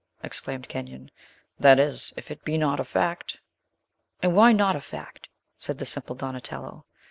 exclaimed Kenyon; "that is, if it be not a fact." "And why not a fact?" said the simple Donatello.